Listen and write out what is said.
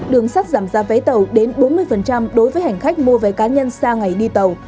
đường sắt giảm ra vé tàu đến bốn mươi đối với hành khách mua vé cá nhân xa ngày đi tàu